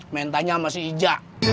mentanya sama si ija